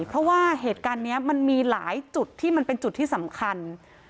เพราะว่าเหตุการณ์นี้มันมีหลายจุดที่มันเป็นจุดที่สำคัญ